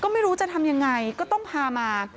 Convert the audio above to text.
ไม่รู้จะทำยังไงก็ต้องพามา